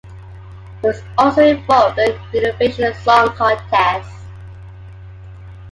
He was also involved in the Eurovision Song Contest.